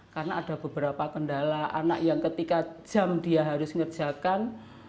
karena ada beberapa kendala anak yang ketika jam dia harus ngerjakan